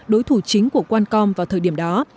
đối thủ chính của qualcomm vào thời điểm đó